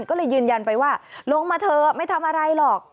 ก็เลยยืนยันไปว่าลงมาเถอะไม่ทำอะไรหรอก